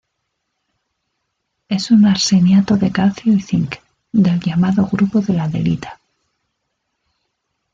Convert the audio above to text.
Es un arseniato de calcio y cinc, del llamado "grupo de la adelita".